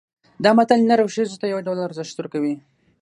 دا متل نر او ښځې ته یو ډول ارزښت ورکوي